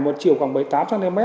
một chiều khoảng bảy mươi tám cm